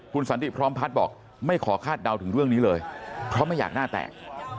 คุณสันติพร้อมพัฒน์บอกไม่ขอคาดเดาถึงเรื่องนี้เลยเพราะไม่อยากหน้าแตก